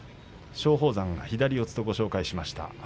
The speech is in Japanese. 松鳳山が左四つとご紹介しました。